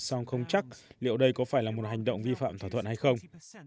xong không chắc liệu đây có phải là một hành động vi phạm thỏa thuận hay không